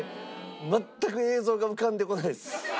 全く映像が浮かんでこないです。